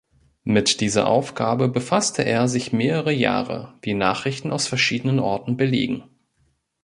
Mit dieser Aufgabe befasste er sich mehrere Jahre, wie Nachrichten aus verschiedenen Orten belegen.